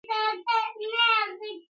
لوډ او نور د بې ارامۍ حالتونه